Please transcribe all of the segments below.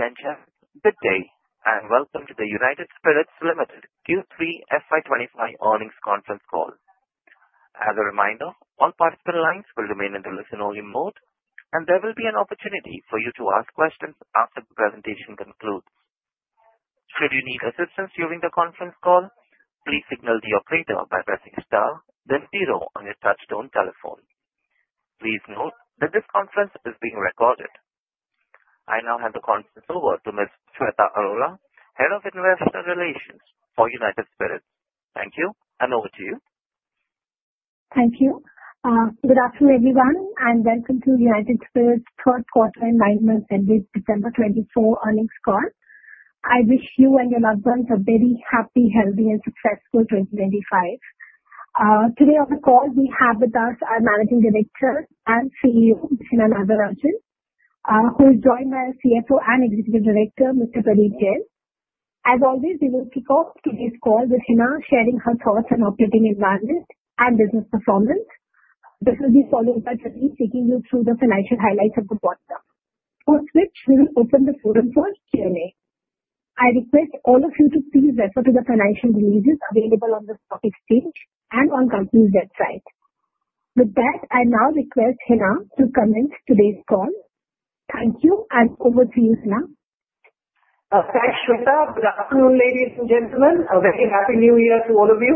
Ladies and gentlemen, good day, and welcome to the United Spirits Limited Q3 FY 2025 Earnings Conference Call. As a reminder, all participant lines will remain in the listen-only mode, and there will be an opportunity for you to ask questions after the presentation concludes. Should you need assistance during the conference call, please signal the operator by pressing star, then zero on your touch-tone telephone. Please note that this conference is being recorded. I now hand the conference over to Ms. Shweta Arora, Head of Investor Relations for United Spirits. Thank you, and over to you. Thank you. Good afternoon, everyone, and welcome to United Spirits' third quarter and nine-month ended December 2024 earnings call. I wish you and your loved ones a very happy, healthy, and successful 2025. Today on the call, we have with us our Managing Director and CEO, Hina Nagarajan, who is joined by our CFO and Executive Director, Mr. Pradeep Jain. As always, we will kick off today's call with Hina sharing her thoughts on operating environment and business performance. This will be followed by Pradeep taking you through the financial highlights of the quarter, post which we will open the forum for Q&A. I request all of you to please refer to the financial releases available on the stock exchange and on the company's website. With that, I now request Hina to comment on today's call. Thank you, and over to you, Hina. Thanks, Shweta. Good afternoon, ladies and gentlemen. A very happy new year to all of you.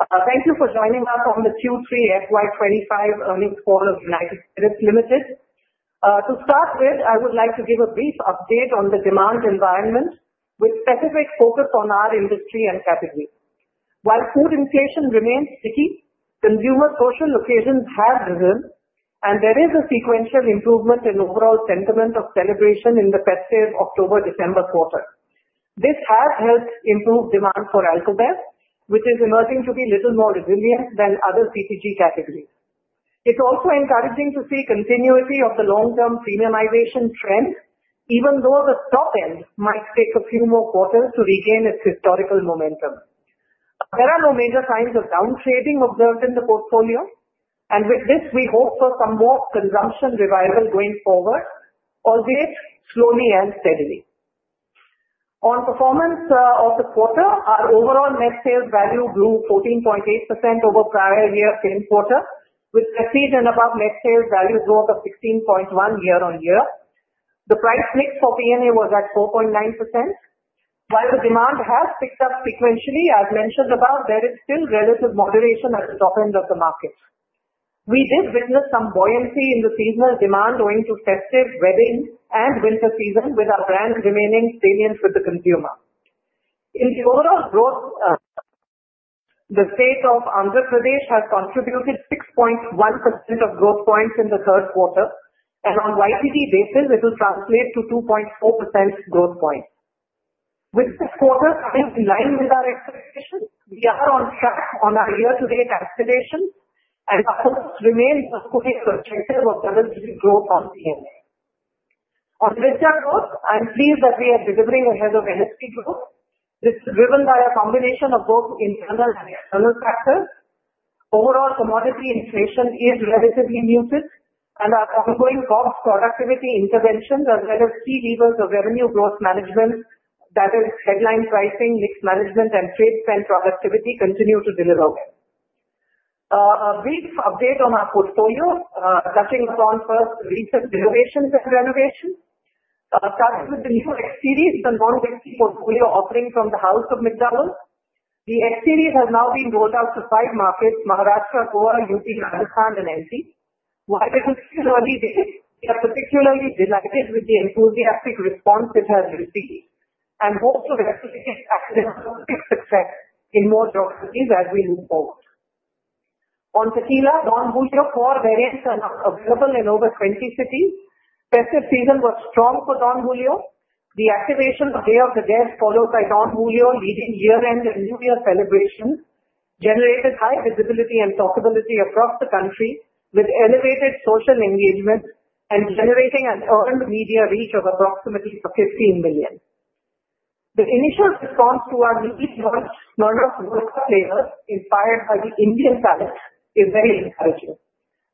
Thank you for joining us on the Q3 FY 2025 earnings call of United Spirits Limited. To start with, I would like to give a brief update on the demand environment with a specific focus on our industry and category. While food inflation remains sticky, consumer social occasions have risen, and there is a sequential improvement in overall sentiment of celebration in the festive October-December quarter. This has helped improve demand for alcohol, which is emerging to be a little more resilient than other CPG categories. It's also encouraging to see continuity of the long-term premiumization trend, even though the Scotch end might take a few more quarters to regain its historical momentum. There are no major signs of downtrading observed in the portfolio, and with this, we hope for some more consumption revival going forward, albeit slowly and steadily. On performance of the quarter, our overall net sales value grew 14.8% over prior year's same quarter, with a Prestige and above net sales value growth of 16.1% year-on-year. The price mix for P&A was at 4.9%. While the demand has picked up sequentially, as mentioned above, there is still relative moderation at the top end of the market. We did witness some buoyancy in the seasonal demand owing to festive wedding and winter season, with our brand remaining salient with the consumer. In the overall growth, the state of Andhra Pradesh has contributed 6.1% of growth points in the third quarter, and on YTD basis, it will translate to 2.4% growth points. With this quarter coming in line with our expectations, we are on track on our year-to-date escalation, and our focus remains to see the perspective of double-digit growth on P&A. On winter growth, I'm pleased that we are delivering ahead of industry growth. This is driven by a combination of both internal and external factors. Overall commodity inflation is relatively muted, and our ongoing COGS productivity interventions, as well as key levers of revenue growth management, that is, headline pricing, mix management, and trade spend productivity, continue to deliver well. A brief update on our portfolio, touching upon first the recent innovations and renovation, starts with the new X-Series, the non-liquid portfolio offering from the House of McDowell's. The X-Series has now been rolled out to five markets: Maharashtra, Goa, UP, Rajasthan, and MP. While it is still early days, we are particularly delighted with the enthusiastic response it has received and hope to explicitly accelerate success in more geographies as we move forward. On tequila, Don Julio four variants are now available in over 20 cities. Festive season was strong for Don Julio. The activation of Day of the Dead, followed by Don Julio leading year-end and new year celebrations, generated high visibility and talkability across the country with elevated social engagement and generating an earned media reach of approximately 15 million. The initial response to our newly launched Smirnoff Vodka flavors, inspired by the Indian palate, is very encouraging.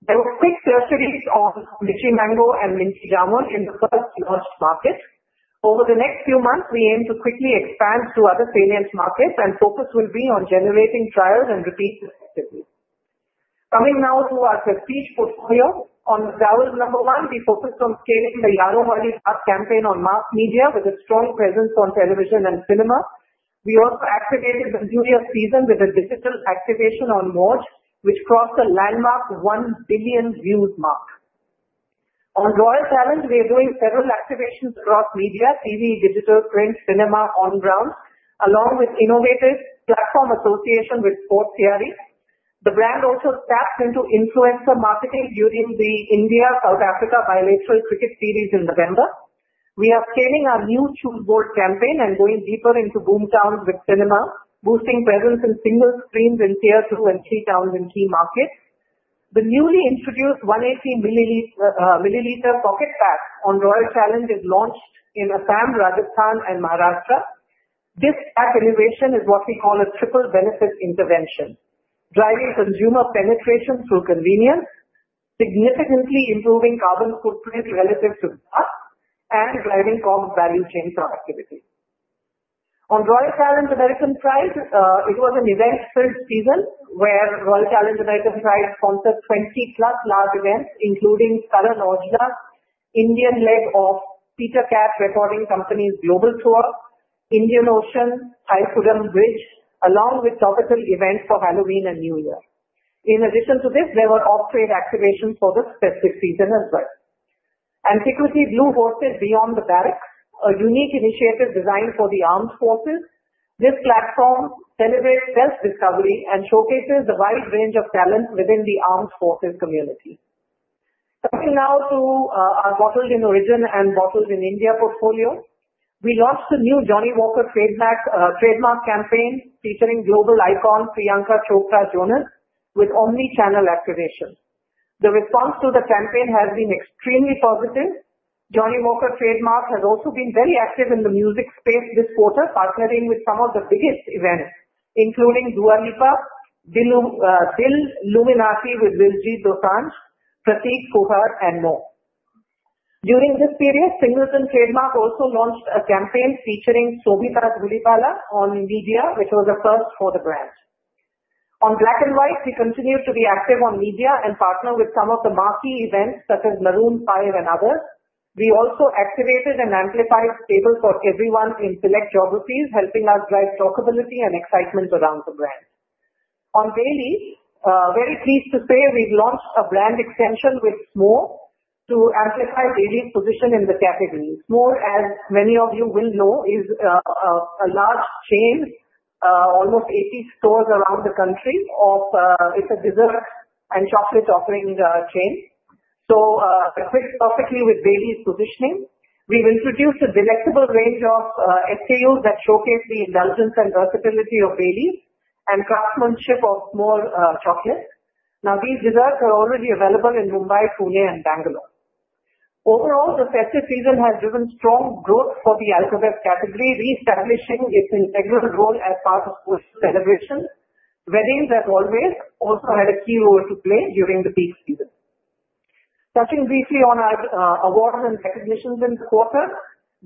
There were quick fluctuations on Spicy Mango and Minty Jamun in the first launched market. Over the next few months, we aim to quickly expand to other salient markets, and focus will be on generating trials and repeats effectively. Coming now to our prestige portfolio, on McDowell's No. 1, we focused on scaling the Yaaron Wali Baat campaign on mass media with a strong presence on television and cinema. We also activated the New Year's season with a digital activation on Moj, which crossed the landmark one billion views mark. On Royal Challenge, we are doing several activations across media, TV, digital, print, cinema, on-ground, along with innovative platform association with Sportskeeda. The brand also tapped into influencer marketing during the India-South Africa bilateral cricket series in November. We are scaling our new Choose Bold campaign and going deeper into boom towns with cinema, boosting presence in single screens in tier two and three towns in key markets. The newly introduced 180 milliliter pocket pack on Royal Challenge is launched in Assam, Rajasthan, and Maharashtra. This pack innovation is what we call a triple benefit intervention, driving consumer penetration through convenience, significantly improving carbon footprint relative to gas, and driving COGS value chain productivity. On Royal Challenge American Pride, it was an event-filled season where Royal Challenge American Pride sponsored 20-plus large events, including Karan Aujla, Indian leg of Peter Cat Recording Company's global tour, Indian Ocean, Thaikkudam Bridge, along with topical events for Halloween and New Year. In addition to this, there were off-trade activations for the specific season as well. Antiquity Blue's Beyond the Barracks, a unique initiative designed for the armed forces. This platform celebrates self-discovery and showcases the wide range of talents within the armed forces community. Coming now to our Bottled in Origin and Bottled in India portfolio, we launched the new Johnnie Walker trademark campaign featuring global icon Priyanka Chopra Jonas with omnichannel activation. The response to the campaign has been extremely positive. Johnnie Walker trademark has also been very active in the music space this quarter, partnering with some of the biggest events, including Dua Lipa, Dil-Luminati with Diljit Dosanjh, Prateek Kuhad, and more. During this period, Singleton Trademark also launched a campaign featuring Sobhita Dhulipala on media, which was a first for the brand. On Black and White, we continue to be active on media and partner with some of the marquee events such as Maroon 5 and others. We also activated and amplified staples for everyone in select geographies, helping us drive talkability and excitement around the brand. On Baileys, very pleased to say we've launched a brand extension with SMOOR to amplify Baileys' position in the category. SMOOR, as many of you will know, is a large chain, almost 80 stores around the country. It's a dessert and chocolate offering chain. So it fits perfectly with Baileys' positioning. We've introduced a delectable range of SKUs that showcase the indulgence and versatility of Baileys and craftsmanship of SMOOR chocolate. Now, these desserts are already available in Mumbai, Pune, and Bangalore. Overall, the festive season has driven strong growth for the alco-bev category, reestablishing its integral role as part of celebration. Weddings, as always, also had a key role to play during the peak season. Touching briefly on our awards and recognitions in the quarter,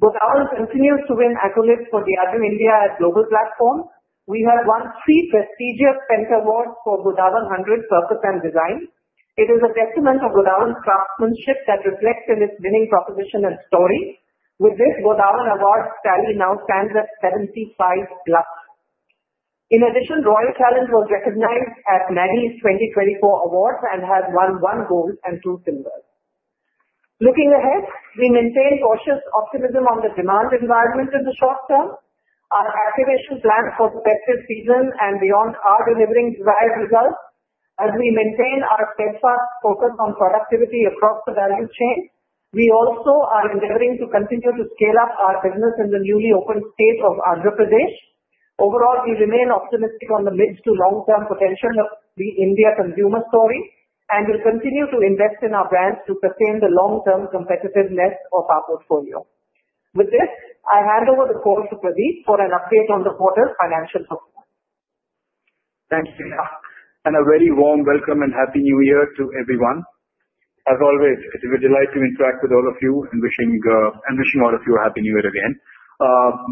Godawan continues to win accolades for the Azura India at Global Platform. We have won three prestigious Pentawards for Godawan Art Purpose and Design. It is a testament to Godawan's craftsmanship that reflects in its winning proposition and story. With this, Godawan award tally now stands at 75 plus. In addition, Royal Challenge was recognized at Maddies 2024 awards and has won one gold and two silver. Looking ahead, we maintain cautious optimism on the demand environment in the short term. Our activation plan for the festive season and beyond are delivering desired results. As we maintain our steadfast focus on productivity across the value chain, we also are endeavoring to continue to scale up our business in the newly opened state of Andhra Pradesh. Overall, we remain optimistic on the mid- to long-term potential of the India consumer story, and we'll continue to invest in our brands to sustain the long-term competitiveness of our portfolio. With this, I hand over the call to Pradeep for an update on the quarter's financial performance. Thank you, Hina, and a very warm welcome and Happy New Year to everyone. As always, it is a delight to interact with all of you, and wishing all of you a Happy New Year again.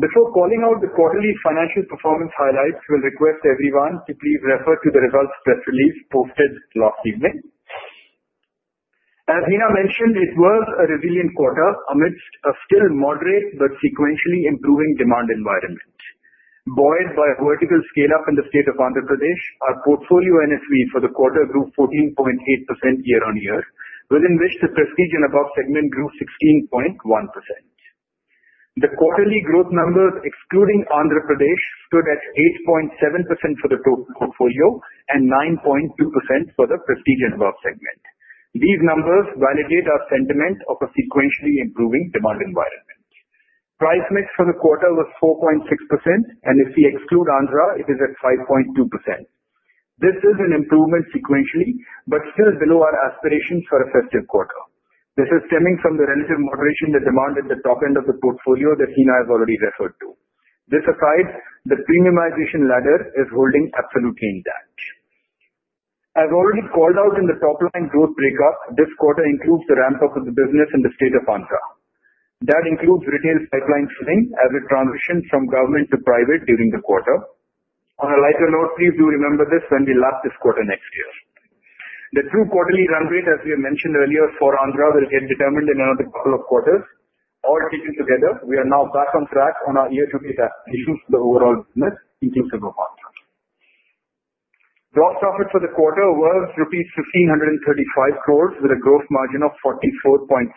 Before calling out the quarterly financial performance highlights, we'll request everyone to please refer to the results press release posted last evening. As Hina mentioned, it was a resilient quarter amidst a still moderate but sequentially improving demand environment. Buoyed by a vertical scale-up in the state of Andhra Pradesh, our portfolio NSV for the quarter grew 14.8% year-on-year, within which the prestige and above segment grew 16.1%. The quarterly growth numbers, excluding Andhra Pradesh, stood at 8.7% for the total portfolio and 9.2% for the prestige and above segment. These numbers validate our sentiment of a sequentially improving demand environment. Price mix for the quarter was 4.6%, and if we exclude Andhra, it is at 5.2%. This is an improvement sequentially, but still below our aspirations for a festive quarter. This is stemming from the relative moderation in demand at the top end of the portfolio that Hina has already referred to. This aside, the premiumization ladder is holding absolutely intact. As already called out in the top-line growth breakup, this quarter includes the ramp-up of the business in the state of Andhra. That includes retail pipeline swing as it transitions from government to private during the quarter. On a lighter note, please do remember this when we last discussed it next year. The true quarterly run rate, as we have mentioned earlier, for Andhra will get determined in another couple of quarters. All taken together, we are now back on track on our year-to-date aspirations for the overall business, inclusive of Andhra. Gross profit for the quarter was rupees 1,535 crores, with a gross margin of 44.70%.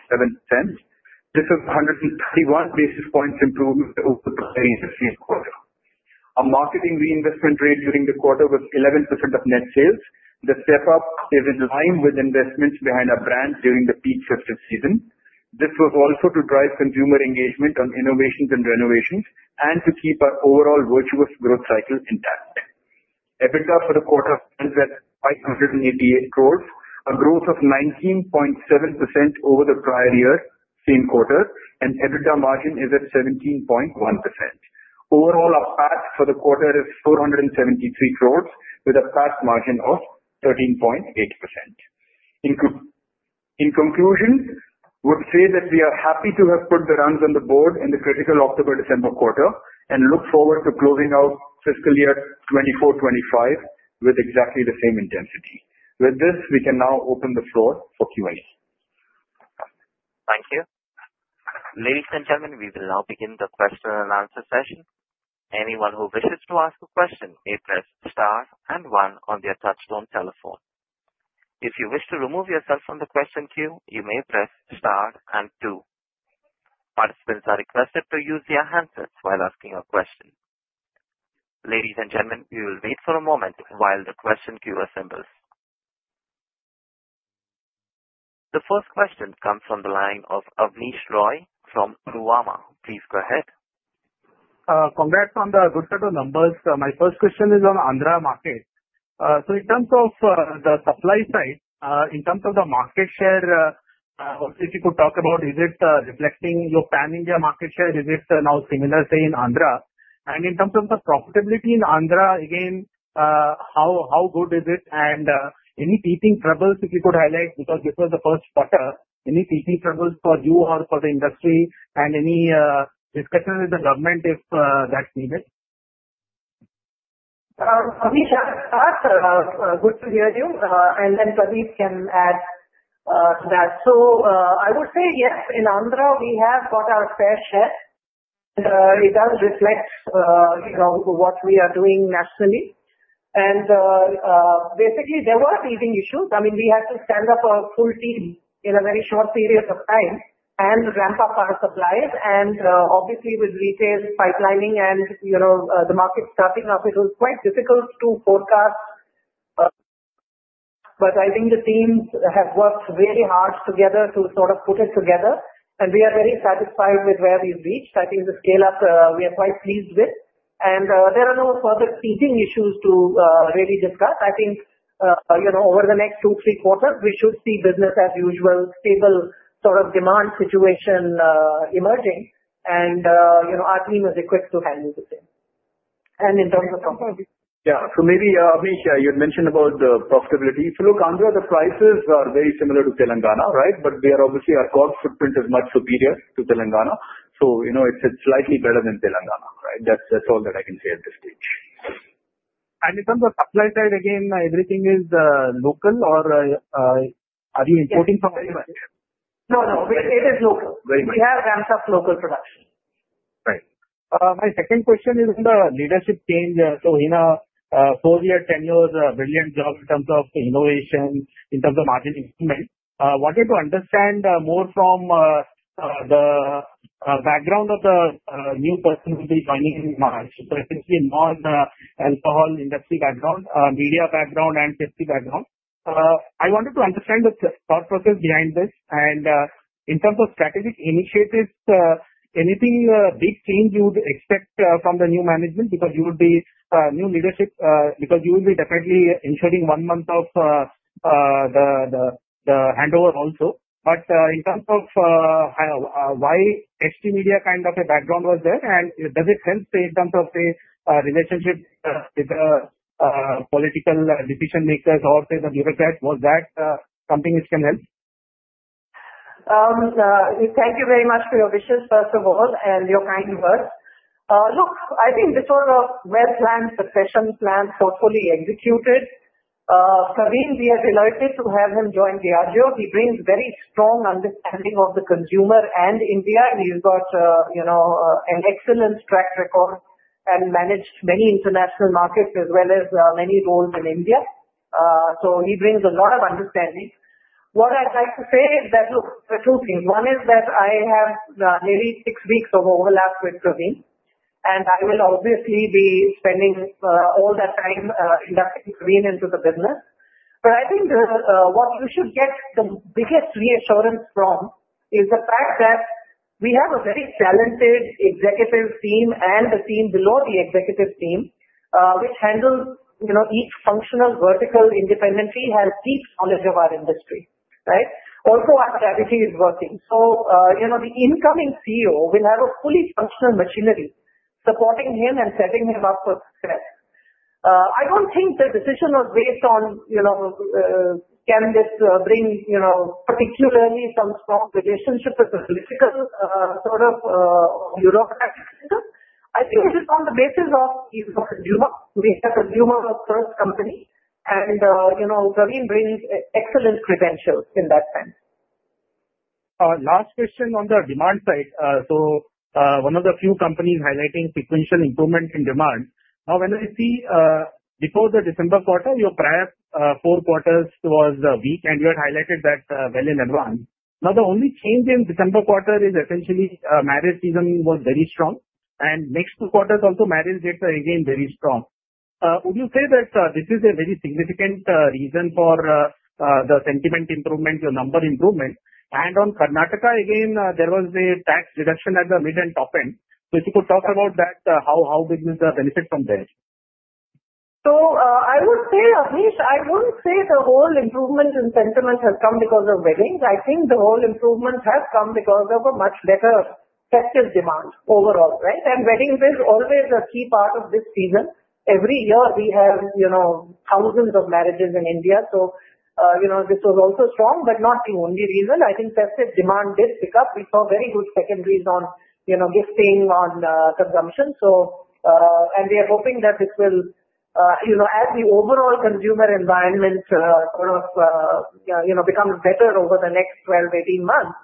This is a 131 basis points improvement over the previous quarter. Our marketing reinvestment rate during the quarter was 11% of net sales. The step-up is in line with investments behind our brand during the peak festive season. This was also to drive consumer engagement on innovations and renovations and to keep our overall virtuous growth cycle intact. EBITDA for the quarter stands at 588 crores, a growth of 19.7% over the prior year, same quarter, and EBITDA margin is at 17.1%. Overall, our PAT for the quarter is 473 crores, with a PAT margin of 13.8%. In conclusion, we would say that we are happy to have put the rungs on the board in the critical October-December quarter and look forward to closing out fiscal year 2024-2025 with exactly the same intensity. With this, we can now open the floor for Q&A. Thank you. Ladies and gentlemen, we will now begin the question and answer session. Anyone who wishes to ask a question may press star and one on their touch-tone telephone. If you wish to remove yourself from the question queue, you may press star and two. Participants are requested to use their handsets while asking a question. Ladies and gentlemen, we will wait for a moment while the question queue assembles. The first question comes from the line of Abneesh Roy from Nuvama. Please go ahead. Congrats on the good set of numbers. My first question is on Andhra market. So in terms of the supply side, in terms of the market share, if you could talk about, is it reflecting your pan-India market share? Is it now similar say in Andhra? And in terms of the profitability in Andhra, again, how good is it? And any teething troubles, if you could highlight, because this was the first quarter, any teething troubles for you or for the industry? And any discussion with the government if that's needed? Abneesh, good to hear you, and then Pradeep can add to that, so I would say yes, in Andhra, we have got our fair share. It does reflect what we are doing nationally, and basically, there were teething issues. I mean, we had to stand up a full team in a very short period of time and ramp up our suppliers, and obviously, with retail pipelining and the market starting up, it was quite difficult to forecast, but I think the teams have worked very hard together to sort of put it together, and we are very satisfied with where we've reached. I think the scale-up we are quite pleased with, and there are no further teething issues to really discuss. I think over the next two, three quarters, we should see business as usual, stable sort of demand situation emerging, and our team is equipped to handle the same. In terms of. Yeah. So maybe, Abneesh, you had mentioned about the profitability. So look, Andhra, the prices are very similar to Telangana, right? But obviously, our core footprint is much superior to Telangana. So it's slightly better than Telangana, right? That's all that I can say at this stage. In terms of supply side, again, everything is local or are you importing from anywhere? No, no. It is local. We have ramped up local production. Right. My second question is on the leadership change. So Hina, four-year, 10-year brilliant job in terms of innovation, in terms of marketing movement. I wanted to understand more from the background of the new person who will be joining in March, especially in more alcohol industry background, media background, and safety background. I wanted to understand the thought process behind this. And in terms of strategic initiatives, anything big change you would expect from the new management because you would be new leadership, because you will be definitely ensuring one month of the handover also. But in terms of why HT Media kind of a background was there, and does it help in terms of the relationship with the political decision-makers or say the bureaucrats, was that something which can help? Thank you very much for your wishes, first of all, and your kind words. Look, I think this was a well-planned succession plan, thoughtfully executed. Praveen, we are delighted to have him join Diageo. He brings very strong understanding of the consumer and India. He's got an excellent track record and managed many international markets as well as many roles in India. So he brings a lot of understanding. What I'd like to say is that, look, there are two things. One is that I have nearly six weeks of overlap with Praveen, and I will obviously be spending all that time inducting Praveen into the business. But I think what you should get the biggest reassurance from is the fact that we have a very talented executive team and a team below the executive team, which handles each functional vertical independently, has deep knowledge of our industry, right? Also, our strategy is working. So the incoming CEO will have a fully functional machinery supporting him and setting him up for success. I don't think the decision was based on can this bring particularly some strong relationship with the political sort of bureaucratic system. I think it is on the basis of we have a consumer-first company, and Praveen brings excellent credentials in that sense. Last question on the demand side. So one of the few companies highlighting sequential improvement in demand. Now, when I see before the December quarter, your prior four quarters was weak, and you had highlighted that well in advance. Now, the only change in December quarter is essentially marriage season was very strong. And next two quarters, also marriage data again very strong. Would you say that this is a very significant reason for the sentiment improvement, your number improvement? And on Karnataka, again, there was a tax deduction at the mid and top end. So if you could talk about that, how did you benefit from there? So I would say, Abneesh, I wouldn't say the whole improvement in sentiment has come because of weddings. I think the whole improvement has come because of a much better festive demand overall, right? And weddings are always a key part of this season. Every year, we have thousands of marriages in India. So this was also strong, but not the only reason. I think festive demand did pick up. We saw very good secondaries on gifting, on consumption. And we are hoping that this will, as the overall consumer environment sort of becomes better over the next 12, 18 months,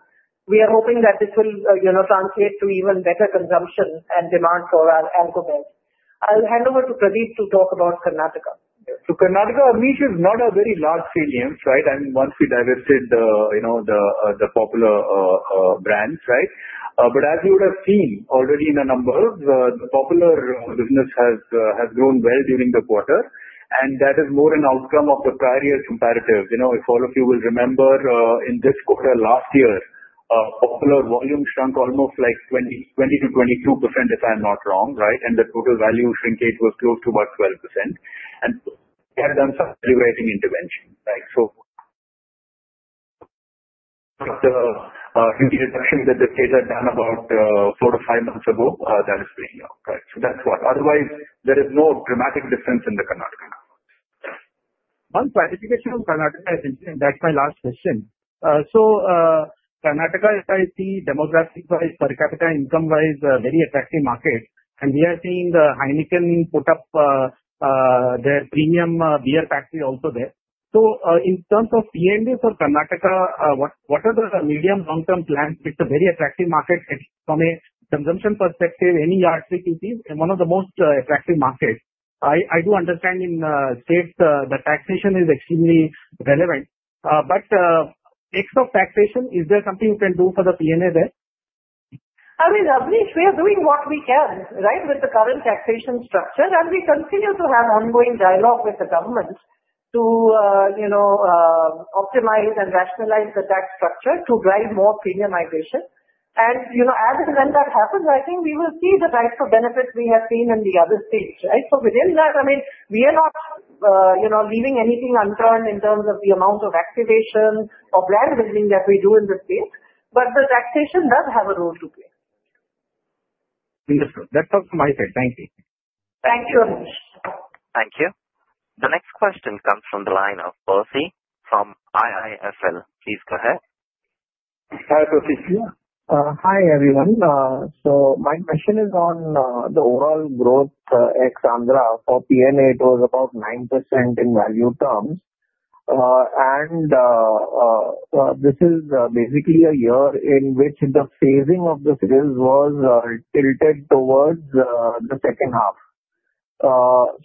we are hoping that this will translate to even better consumption and demand for alcohol. I'll hand over to Pradeep to talk about Karnataka. Karnataka, Abneesh, is not a very large salience, right? I mean, once we divested the popular brands, right? But as you would have seen already in the numbers, the popular business has grown well during the quarter. And that is more an outcome of the prior year comparative. If all of you will remember, in this quarter last year, popular volume shrunk almost like 20%-22%, if I'm not wrong, right? And the total value shrinkage was close to about 12%. And we have done some regulating intervention, right? So the reduction that the state had done about four to five months ago, that is playing out, right? So that's what. Otherwise, there is no dramatic difference in Karnataka. One clarification on Karnataka is interesting. That's my last question. So Karnataka is, I see, demographic-wise, per capita income-wise, a very attractive market. And we are seeing Heineken put up their premium beer factory also there. So in terms of P&A for Karnataka, what are the medium-long-term plans? It's a very attractive market from a consumption perspective, P&A categories, one of the most attractive markets. I do understand in the state, the taxation is extremely relevant. But except taxation, is there something you can do for the P&A there? I mean, Abneesh, we are doing what we can, right, with the current taxation structure. And we continue to have ongoing dialogue with the government to optimize and rationalize the tax structure to drive more premium migration. And as and when that happens, I think we will see the types of benefits we have seen in the other states, right? So within that, I mean, we are not leaving anything unturned in terms of the amount of activation or brand building that we do in the states. But the taxation does have a role to play. Understood. That's all from my side. Thank you. Thank you very much. Thank you. The next question comes from the line of Percy from IIFL. Please go ahead. Hi, Percy. Hi, everyone. So my question is on the overall growth ex Andhra. For P&A, it was about 9% in value terms. And this is basically a year in which the phasing of the sales was tilted towards the second half.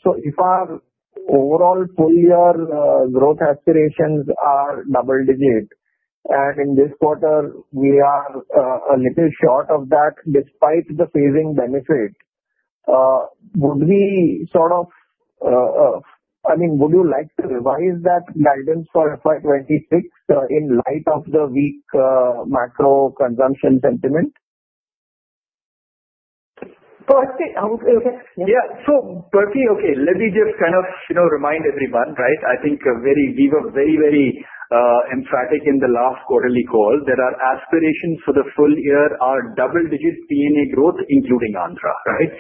So if our overall full-year growth aspirations are double-digit, and in this quarter, we are a little short of that despite the phasing benefit, would we sort of, I mean, would you like to revise that guidance for FY 2026 in light of the weak macro consumption sentiment? Percy? Okay. Yeah. So Percy, okay, let me just kind of remind everyone, right? I think we were very, very emphatic in the last quarterly call that our aspirations for the full year are double-digit P&A growth, including Andhra, right?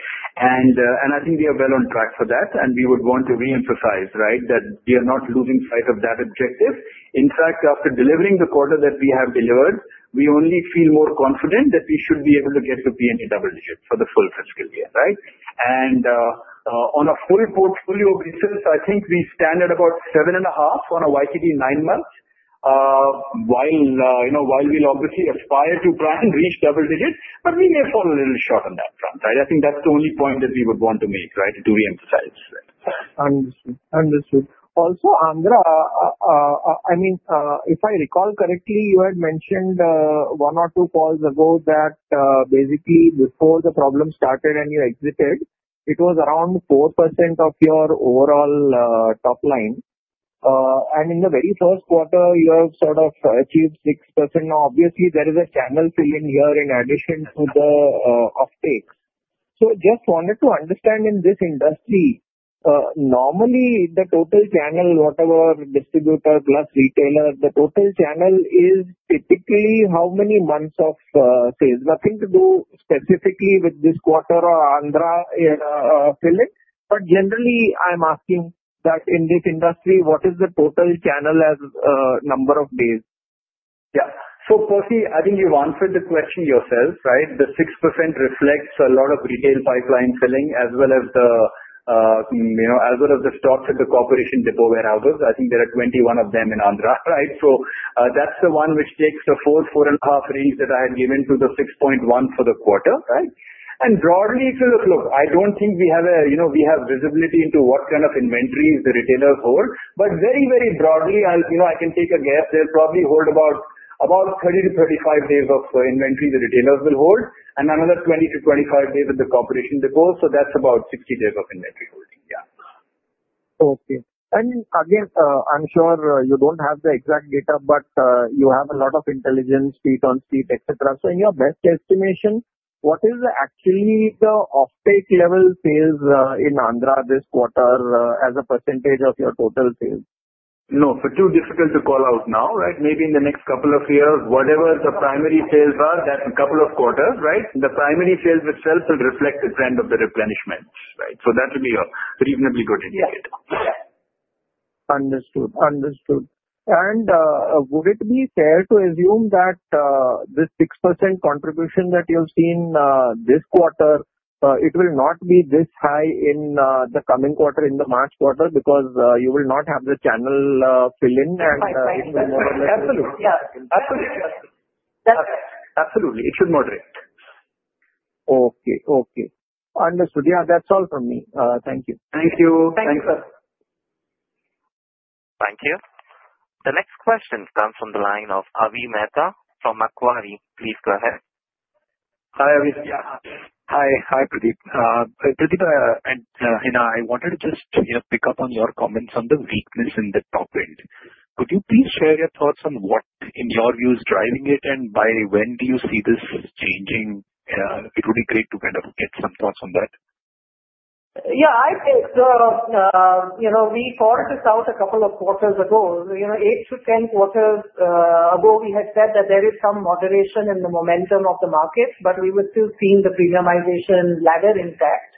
And I think we are well on track for that. And we would want to reemphasize, right, that we are not losing sight of that objective. In fact, after delivering the quarter that we have delivered, we only feel more confident that we should be able to get to P&A double-digit for the full fiscal year, right? And on a full portfolio basis, I think we stand at about seven and a half on a YTD nine months, while we'll obviously aspire to try and reach double-digit, but we may fall a little short on that front, right? I think that's the only point that we would want to make, right, to reemphasize that. Understood. Understood. Also, Andhra, I mean, if I recall correctly, you had mentioned one or two calls ago that basically before the problem started and you exited, it was around 4% of your overall top line. And in the very first quarter, you have sort of achieved 6%. Now, obviously, there is a channel fill-in here in addition to the uptake. So just wanted to understand in this industry, normally the total channel, whatever distributor plus retailer, the total channel is typically how many months of sales. Nothing to do specifically with this quarter or Andhra fill-in. But generally, I'm asking that in this industry, what is the total channel as a number of days? Yeah. So Percy, I think you answered the question yourself, right? The 6% reflects a lot of retail pipeline fill-in as well as the, as well as the stocks at the corporation depot warehouses. I think there are 21 of them in Andhra, right? So that's the one which takes the four, four and a half range that I had given to the 6.1 for the quarter, right? And broadly, if you look, I don't think we have, we have visibility into what kind of inventory the retailers hold. But very, very broadly, I can take a guess. They'll probably hold about 30 to 35 days of inventory the retailers will hold, and another 20 to 25 days at the corporation depot. So that's about 60 days of inventory holding, yeah. Okay. And again, I'm sure you don't have the exact data, but you have a lot of intelligence, feet on the street, etc. So in your best estimation, what is actually the offtake level sales in Andhra this quarter as a percentage of your total sales? No, but too difficult to call out now, right? Maybe in the next couple of years, whatever the primary sales are that couple of quarters, right, the primary sales itself will reflect the trend of the replenishments, right? So that would be a reasonably good indicator. Understood. Understood. And would it be fair to assume that this 6% contribution that you've seen this quarter, it will not be this high in the coming quarter, in the March quarter, because you will not have the channel fill-in and? Right. Right. Absolutely. Yeah. Absolutely. Absolutely. It should moderate. Okay. Okay. Understood. Yeah, that's all from me. Thank you. Thank you. Thank you, sir. Thank you. The next question comes from the line of Avi Mehta from Macquarie. Please go ahead. Hi, Avi. Yeah. Hi. Hi, Pradeep. Pradeep and Hina, I wanted to just pick up on your comments on the weakness in the top end. Could you please share your thoughts on what, in your view, is driving it, and by when do you see this changing? It would be great to kind of get some thoughts on that. Yeah. I think we thought this out a couple of quarters ago. eight to 10 quarters ago, we had said that there is some moderation in the momentum of the market, but we were still seeing the premiumization ladder intact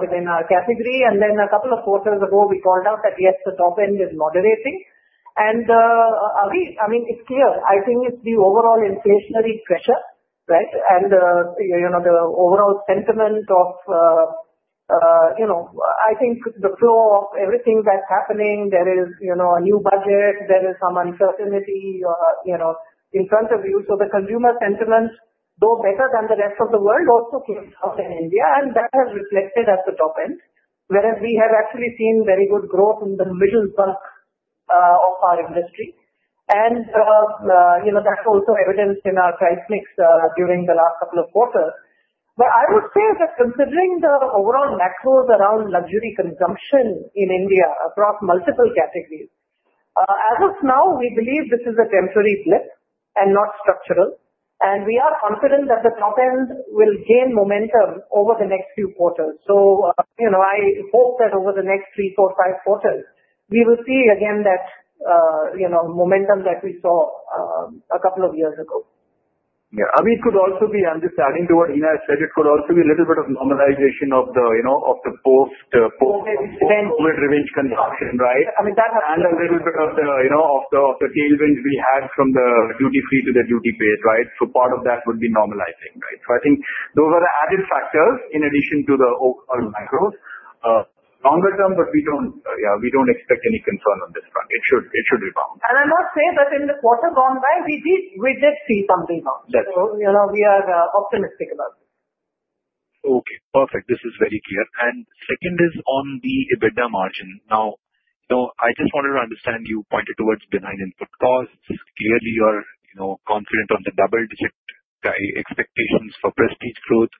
within our category. And then a couple of quarters ago, we called out that, yes, the top end is moderating. And Avi, I mean, it's clear. I think it's the overall inflationary pressure, right? And the overall sentiment of, I think, the flow of everything that's happening, there is a new budget, there is some uncertainty in front of you. So the consumer sentiment, though better than the rest of the world, also came down in India, and that has reflected at the top end, whereas we have actually seen very good growth in the middle rung of our industry. And that's also evidenced in our price mix during the last couple of quarters. But I would say that considering the overall macros around luxury consumption in India across multiple categories, as of now, we believe this is a temporary blip and not structural. And we are confident that the top end will gain momentum over the next few quarters. So I hope that over the next three, four, five quarters, we will see again that momentum that we saw a couple of years ago. Yeah. I mean, it could also be, I'm just adding to what Hina said, it could also be a little bit of normalization of the post-break-even consumption, right? I mean, that has to be. And a little bit of the tailwind we had from the duty-free to the duty-based, right? So part of that would be normalizing, right? So I think those are the added factors in addition to the overall macros. Longer term, but we don't expect any concern on this front. It should rebound. And I must say that in the quarter gone by, we did see something else. So we are optimistic about it. Okay. Perfect. This is very clear, and second is on the EBITDA margin. Now, I just wanted to understand, you pointed towards benign input costs. Clearly, you're confident on the double-digit expectations for prestige growth.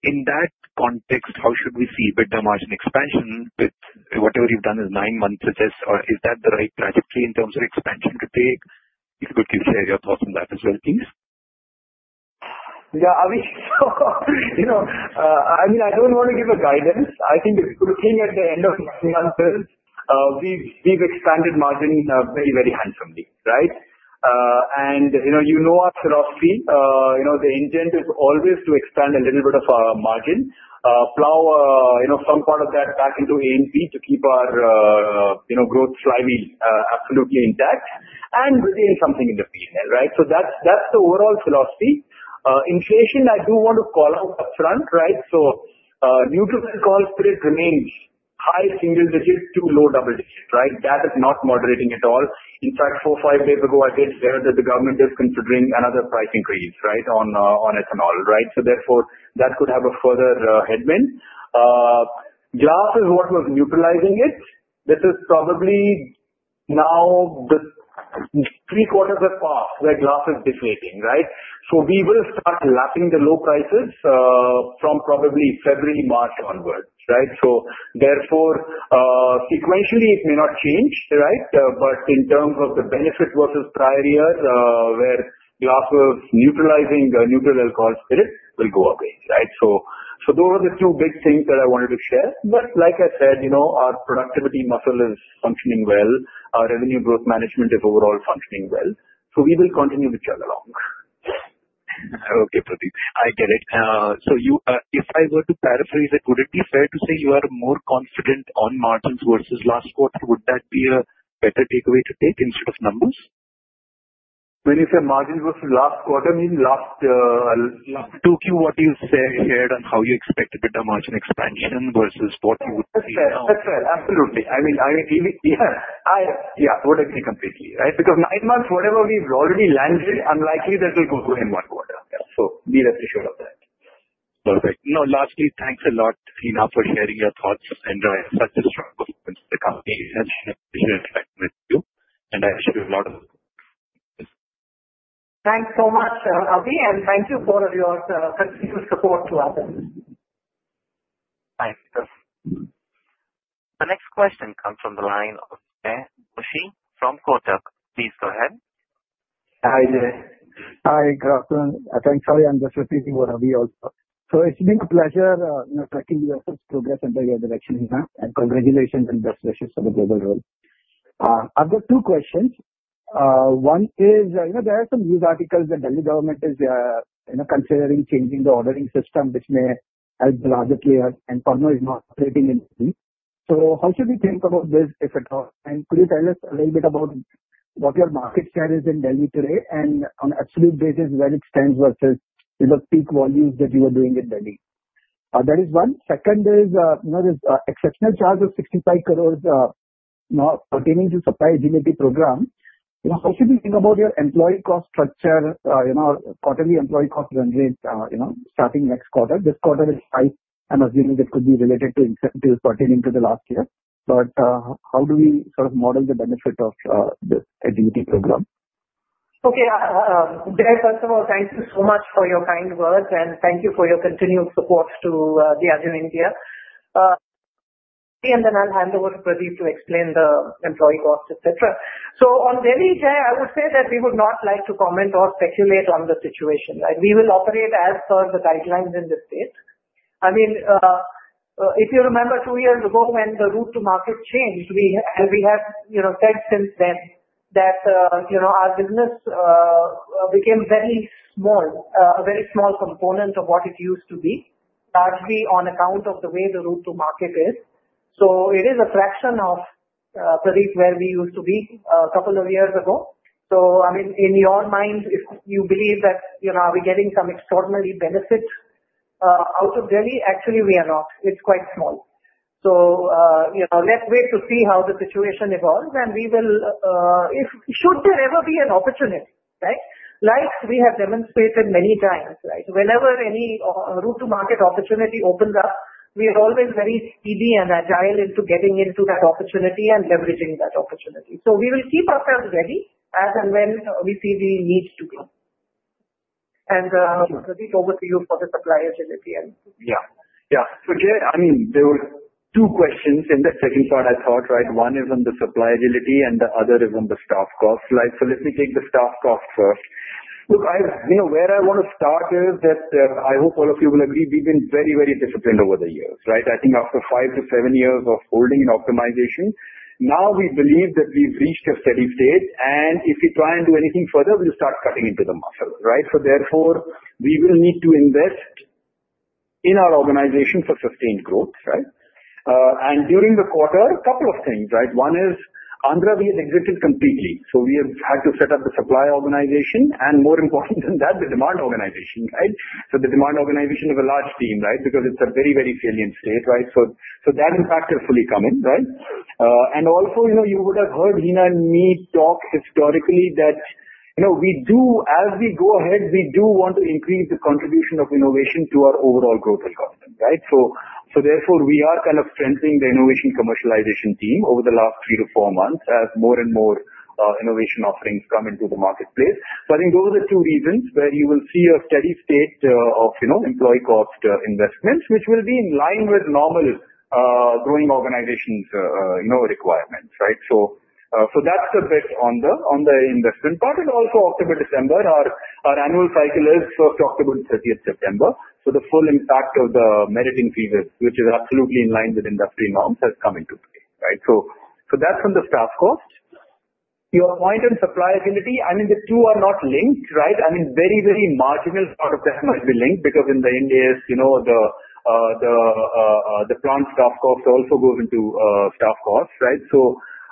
In that context, how should we see EBITDA margin expansion with whatever you've done in nine months with this? Or is that the right trajectory in terms of expansion to take? If you could share your thoughts on that as well, please. Yeah. I mean, I don't want to give a guidance. I think it's a good thing at the end of nine months, we've expanded margin very, very handsomely, right? And you know our philosophy. The intent is always to expand a little bit of our margin, plow some part of that back into A&P to keep our growth sustained absolutely intact, and bring in something in the P&L, right? So that's the overall philosophy. Inflation, I do want to call out upfront, right? So neutral alcohol spirit remains high single-digit to low double-digit, right? That is not moderating at all. In fact, four, five days ago, I did share that the government is considering another price increase, right, on ethanol, right? So therefore, that could have a further headwind. Glass is what was neutralizing it. This is probably now three quarters have passed where glass is deflating, right? So we will start lapping the low prices from probably February, March onwards, right? So therefore, sequentially, it may not change, right? But in terms of the benefit versus prior year where glass was neutralizing neutral alcohol spirit, it will go away, right? So those are the two big things that I wanted to share. But like I said, our productivity muscle is functioning well. Our revenue growth management is overall functioning well. So we will continue to chug along. Okay, Pradeep. I get it. So if I were to paraphrase it, would it be fair to say you are more confident on margins versus last quarter? Would that be a better takeaway to take instead of numbers? When you say margins versus last quarter, I mean last two Q, what do you share on how you expect EBITDA margin expansion versus what you would see now? That's fair. Absolutely. I mean, yeah. Yeah. I would agree completely, right? Because nine months, whatever we've already landed, unlikely that it will go away in one quarter. So, be refreshed of that. Perfect. No, lastly, thanks a lot, Hina, for sharing your thoughts and such a strong performance of the company. It's an appreciative investment to you. And I wish you a lot of. Thanks so much, Avi, and thank you for your continued support to us. Thank you. The next question comes from the line of Percy from Kotak. Please go ahead. Hi, Percy. Hi, Jain. Thanks. Sorry, I'm just repeating what Avi also. So it's been a pleasure tracking your progress under your direction, Hina, and congratulations and best wishes for the global world. I've got two questions. One is there are some news articles that the Delhi government is considering changing the ordering system, which may help the larger players. And Pernod Ricard is not operating in Delhi. So how should we think about this, if at all? And could you tell us a little bit about what your market share is in Delhi today and on an absolute basis, where it stands versus the peak volumes that you were doing in Delhi? That is one. Second is this exceptional charge of 65 crores pertaining to supply agility program. How should we think about your employee cost structure, quarterly employee cost run rate starting next quarter? This quarter is high. I'm assuming it could be related to incentives pertaining to the last year. But how do we sort of model the benefit of this agility program? Okay. Jay, first of all, thank you so much for your kind words, and thank you for your continued support to Diageo India, and then I'll hand over to Pradeep to explain the employee cost, etc. On Delhi, Jay, I would say that we would not like to comment or speculate on the situation, right? We will operate as per the guidelines in this case. I mean, if you remember two years ago when the route to market changed, we have said since then that our business became very small, a very small component of what it used to be, largely on account of the way the route to market is. It is a fraction of, Pradeep, where we used to be a couple of years ago. So I mean, in your mind, if you believe that are we getting some extraordinary benefit out of Delhi, actually, we are not. It's quite small. So let's wait to see how the situation evolves, and we will, should there ever be an opportunity, right? Like we have demonstrated many times, right? Whenever any route to market opportunity opens up, we are always very speedy and agile into getting into that opportunity and leveraging that opportunity. So we will keep ourselves ready as and when we see the need to be. And Pradeep, over to you for the supply agility and. Yeah. Yeah. So Jay, I mean, there were two questions in the second part I thought, right? One is on the supply agility, and the other is on the staff cost. So let me take the staff cost first. Look, where I want to start is that I hope all of you will agree we've been very, very disciplined over the years, right? I think after five to seven years of holding and optimization, now we believe that we've reached a steady state, and if we try and do anything further, we'll start cutting into the muscle, right? So therefore, we will need to invest in our organization for sustained growth, right? And during the quarter, a couple of things, right? One is Andhra, we had exited completely. So we have had to set up the supply organization, and more important than that, the demand organization, right? So the demand organization of a large team, right? Because it's a very, very salient state, right? So that impact has fully come in, right? And also, you would have heard Hina and me talk historically that as we go ahead, we do want to increase the contribution of innovation to our overall growth and content, right? So therefore, we are kind of strengthening the innovation commercialization team over the last three to four months as more and more innovation offerings come into the marketplace. So I think those are the two reasons where you will see a steady state of employee cost investments, which will be in line with normal growing organizations' requirements, right? So that's the bet on the investment part. And also October-December, our annual cycle is first October to 30th September. So the full impact of the merit increase, which is absolutely in line with industry norms, has come into play, right? So that's on the staff cost. Your point on supply agility, I mean, the two are not linked, right? I mean, very, very marginal part of that might be linked because in the end, the plant staff cost also goes into staff cost, right?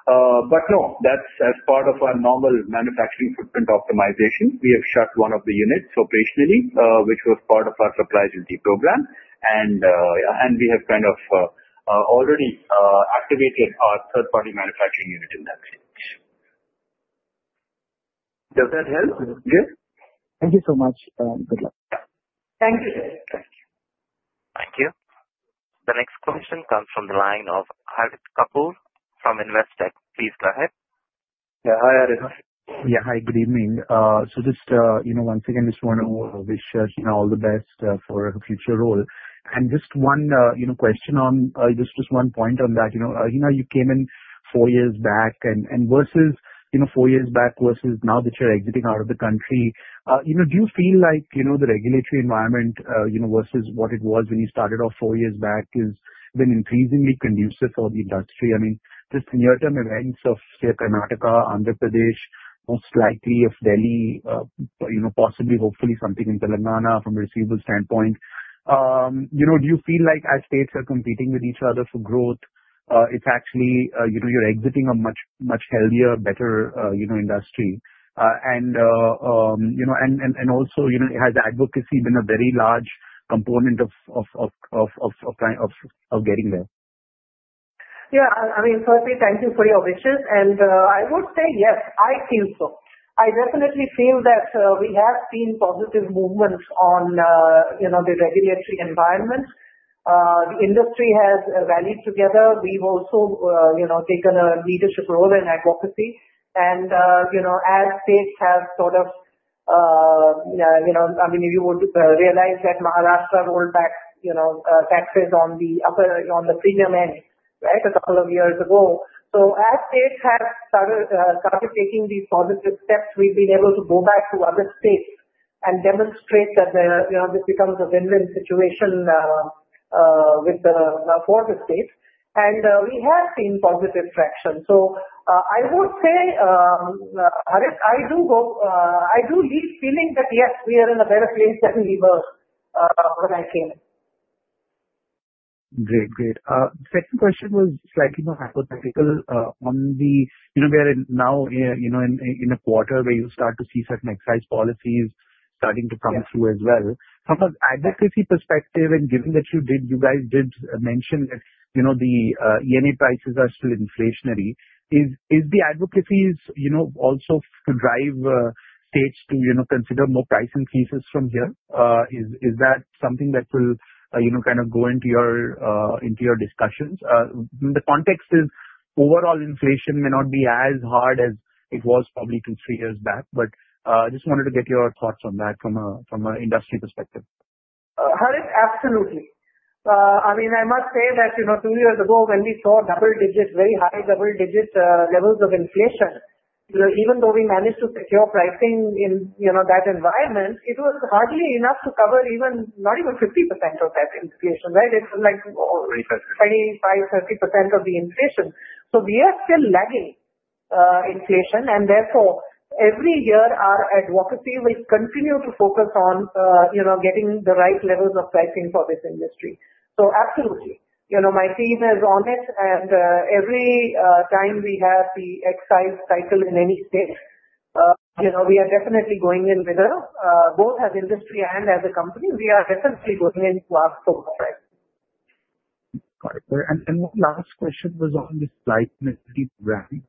But no, that's a part of our normal manufacturing footprint optimization. We have shut one of the units operationally, which was part of our supply agility program. And we have kind of already activated our third-party manufacturing unit in that stage. Does that help? Yeah. Thank you so much. Good luck. Thank you, sir. Thank you. Thank you. The next question comes from the line of Harit Kapoor from Investec. Please go ahead. Yeah. Hi, Harit. Yeah. Hi, good evening. So just once again, just want to wish Hina all the best for her future role. And just one question on just one point on that. Hina, you came in four years back, and versus four years back versus now that you're exiting out of the country, do you feel like the regulatory environment versus what it was when you started off four years back has been increasingly conducive for the industry? I mean, just near-term events of, say, Karnataka, Andhra Pradesh, most likely of Delhi, possibly, hopefully, something in Telangana from a receivable standpoint. Do you feel like as states are competing with each other for growth, it's actually you're exiting a much healthier, better industry? And also, has advocacy been a very large component of getting there? Yeah. I mean, firstly, thank you for your wishes. And I would say yes, I feel so. I definitely feel that we have seen positive movements on the regulatory environment. The industry has rallied together. We've also taken a leadership role in advocacy. And as states have sort of, I mean, you would realize that Maharashtra rolled back taxes on the premium end, right, a couple of years ago. So as states have started taking these positive steps, we've been able to go back to other states and demonstrate that this becomes a win-win situation with the former states. And we have seen positive traction. So I would say, Harit, I do leave feeling that, yes, we are in a better place than we were when I came. Great. Great. Second question was slightly more hypothetical. We are now in a quarter where you start to see certain excise policies starting to come through as well. From an advocacy perspective, and given that you guys did mention that the ENA prices are still inflationary, is the advocacy also to drive states to consider more pricing increases from here? Is that something that will kind of go into your discussions? The context is overall inflation may not be as hard as it was probably two, three years back, but I just wanted to get your thoughts on that from an industry perspective. Harit, absolutely. I mean, I must say that two years ago, when we saw double-digit, very high double-digit levels of inflation, even though we managed to secure pricing in that environment, it was hardly enough to cover not even 50% of that inflation, right? It was like 25%-30% of the inflation. So we are still lagging inflation. And therefore, every year, our advocacy will continue to focus on getting the right levels of pricing for this industry. So absolutely, my team is on it. And every time we have the excise cycle in any state, we are definitely going in with both as industry and as a company. We are definitely going in to ask for more pricing. Got it. And one last question was on the slight dip in royalty.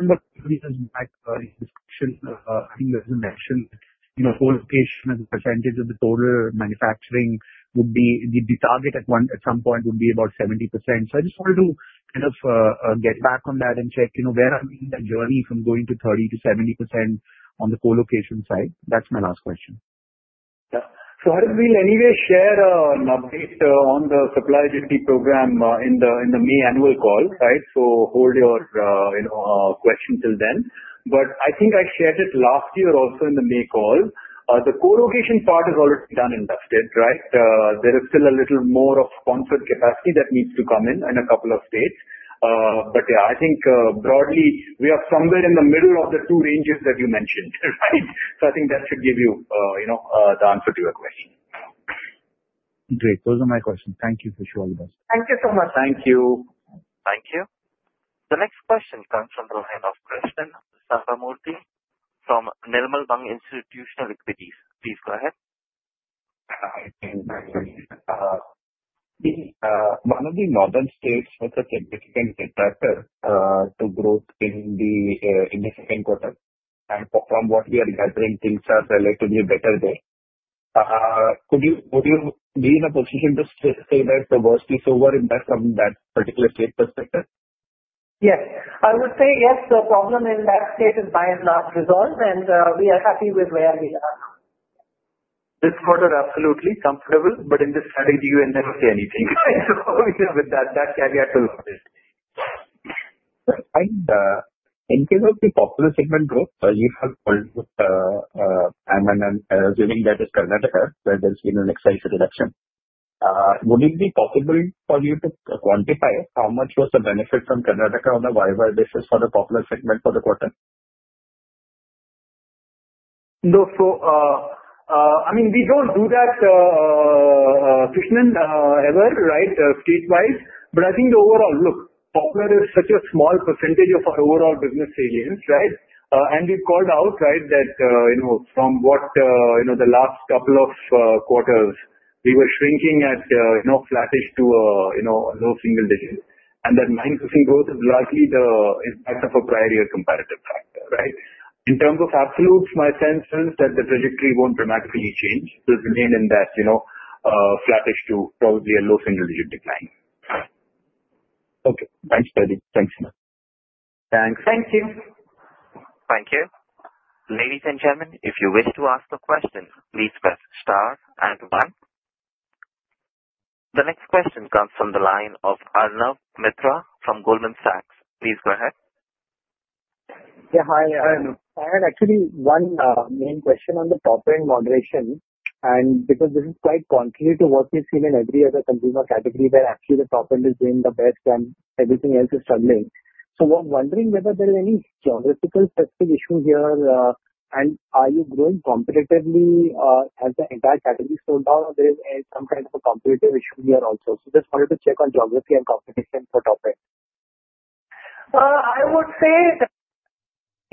In the previous discussion, I think there was a mention that co-location as a percentage of the total manufacturing would be the target at some point would be about 70%. So I just wanted to kind of get back on that and check where are we in the journey from going to 30 to 70% on the co-location side. That's my last question. Yeah. So Harit, we'll anyway share an update on the supply agility program in the May annual call, right? So hold your question till then. But I think I shared it last year also in the May call. The co-location part is already done in Dusted, right? There is still a little more of sponsored capacity that needs to come in in a couple of states. But yeah, I think broadly, we are somewhere in the middle of the two ranges that you mentioned, right? So I think that should give you the answer to your question. Great. Those are my questions. Thank you for sharing with us. Thank you so much. Thank you. Thank you. The next question comes from the line of Krishnan Sambamoorthy from Nirmal Bang Institutional Equities. Please go ahead. Hi, Hina. One of the northern states was a significant driver to growth in the second quarter, and from what we are gathering, things are relatively better there. Would you be in a position to say that the worst is over from that particular state perspective? Yes. I would say yes, the problem in that state is by and large resolved, and we are happy with where we are now. This quarter, absolutely comfortable, but in this strategy, you never say anything. So with that, that caveat was omitted. In case of the popular segment growth, you have assuming that it's Karnataka, where there's been an excise reduction. Would it be possible for you to quantify how much was the benefit from Karnataka on a viable basis for the popular segment for the quarter? No. I mean, we don't do that, Krishnan, ever, right, statewide. But I think overall, look, popular is such a small percentage of our overall business salience, right? And we've called out, right, that from what the last couple of quarters, we were shrinking at flattish to low single digits. And that 9% growth is largely the impact of a prior year comparative factor, right? In terms of absolutes, my sense is that the trajectory won't dramatically change. It will remain in that flattish to probably a low single digit decline. Okay. Thanks, Pradeep. Thanks so much. Thanks. Thank you. Thank you. Ladies and gentlemen, if you wish to ask a question, please press star and one. The next question comes from the line of Arnab Mitra from Goldman Sachs. Please go ahead. Yeah. Hi, Arnab. Actually, one main question on the top-end moderation, and because this is quite contrary to what we've seen in every other consumer category where actually the top-end is doing the best and everything else is struggling, so we're wondering whether there is any geography-specific issue here, and are you growing competitively as the entire category slowed down, or there is some kind of a competitive issue here also? So just wanted to check on geography and competition for top-end. I would say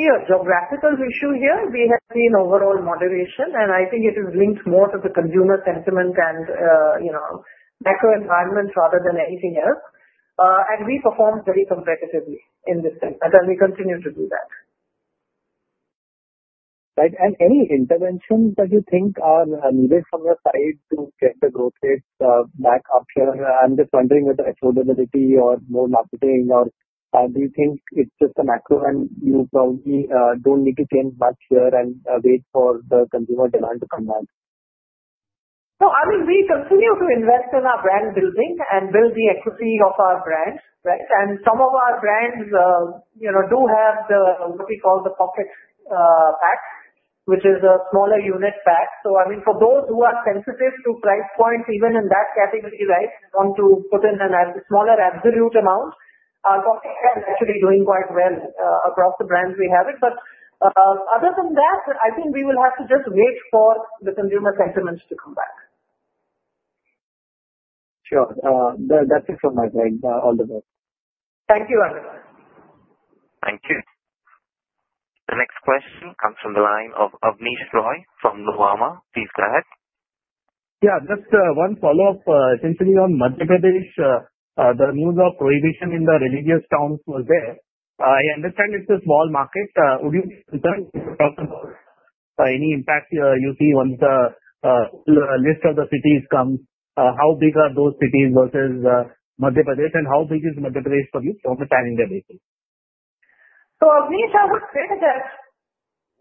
geographical issue here. We have seen overall moderation, and I think it is linked more to the consumer sentiment and macro environments rather than anything else, and we performed very competitively in this sense, and we continue to do that. Right. And any interventions that you think are needed from your side to get the growth rates back up here? I'm just wondering whether affordability or more marketing, or do you think it's just a macro and you probably don't need to change much here and wait for the consumer demand to come back? No, I mean, we continue to invest in our brand building and build the equity of our brand, right? And some of our brands do have what we call the pocket pack, which is a smaller unit pack. So I mean, for those who are sensitive to price points, even in that category, right, want to put in a smaller absolute amount, our pocket pack is actually doing quite well across the brands we have it. But other than that, I think we will have to just wait for the consumer sentiments to come back. Sure. That's it from my side, All the best. Thank you, Arnab. Thank you. The next question comes from the line of Abneesh Roy from Nuvama. Please go ahead. Yeah. Just one follow-up, essentially on Madhya Pradesh, the news of prohibition in the religious towns was there. I understand it's a small market. Would you consider any impact you see once the list of the cities comes? How big are those cities versus Madhya Pradesh, and how big is Madhya Pradesh for you from a pan-India basis? So Abneesh, I would say that